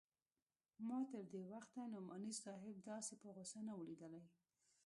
ما تر دې وخته نعماني صاحب داسې په غوسه نه و ليدلى.